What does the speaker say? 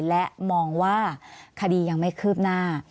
และมองว่าคดียังไม่คืบหน้า